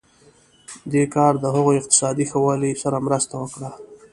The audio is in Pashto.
دې کار د هغوی اقتصادي ښه والی سره مرسته وکړه.